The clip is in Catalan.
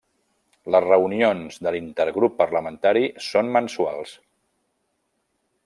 Les reunions de l'Intergrup Parlamentari són mensuals.